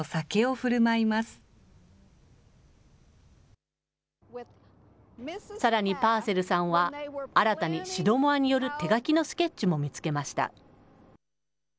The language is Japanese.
だれもかれもが皆仲間となり、さらにパーセルさんは、新たにシドモアによる手書きのスケッチも見つけました。